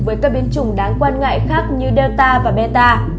với các biến chủng đáng quan ngại khác như delta và meta